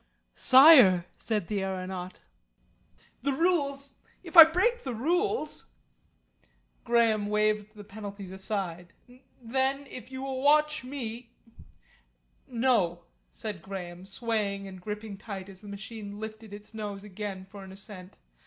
"Sire," said the aeronaut, "the rules if I break the rules " Graham waved the penalties aside. "Then if you will watch me " "No," said Graham, swaying and gripping tight as the machine lifted its nose again for an ascent.